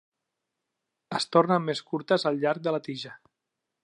Es tornen més curtes al llarg de la tija.